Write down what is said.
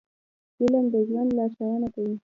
• علم د ژوند لارښوونه کوي.